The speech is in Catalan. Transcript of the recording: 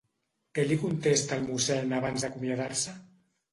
Què li contesta el Mossèn abans d'acomiadar-se?